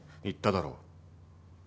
言っただろう。